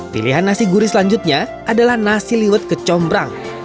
pilihan nasi gurih selanjutnya adalah nasi liwet kecombrang